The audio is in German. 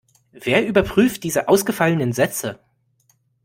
Wer überprüft diese ausgefallenen Sätze?